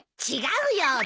違うよ。